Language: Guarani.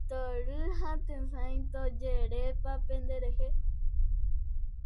Tory ha tesãi tojerepa penderehe.